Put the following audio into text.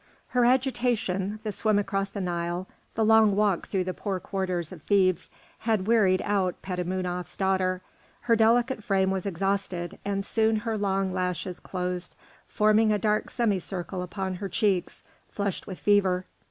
Her agitation, the swim across the Nile, the long walk through the poor quarters of Thebes, had wearied out Petamounoph's daughter; her delicate frame was exhausted, and soon her long lashes closed, forming a dark semicircle upon her cheeks flushed with fever.